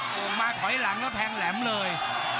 โอ้โหมาถอยหลังแล้วแทงแหลมเลย